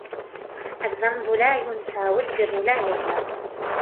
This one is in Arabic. الذَّنْبُ لَا يُنْسَى وَالْبِرُّ لَا يَبْلَى